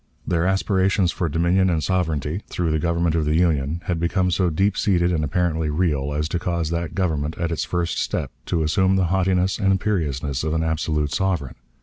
Their aspirations for dominion and sovereignty, through the Government of the Union, had become so deep seated and apparently real as to cause that Government, at its first step, to assume the haughtiness and imperiousness of an absolute sovereign.